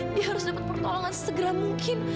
dia harus dapat pertolongan segera mungkin